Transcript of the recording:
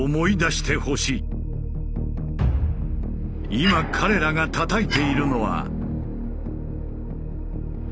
今彼らがたたいているのは。